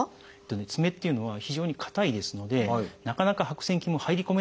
爪っていうのは非常にかたいですのでなかなか白癬菌も入り込めないんですね。